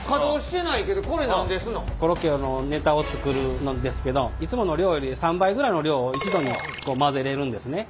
コロッケ用のネタを作るんですけどいつもの量より３倍ぐらいの量を一度に混ぜれるんですね。